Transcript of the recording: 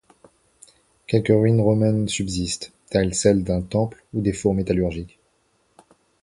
Quelques ruines romaines subsistent telles celles d'un temple ou des fours métallurgiques.